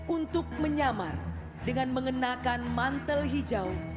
untuk menyamar dengan mengenakan mantel hijau